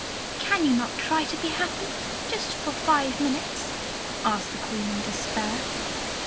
"Can you not try to be happy, just for five minutes?" asked the Queen, in despair.